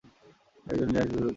তিনি একজন নিরামিষভোজী ব্যক্তি।